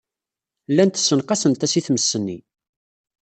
Llant ssenqasent-as i tmes-nni.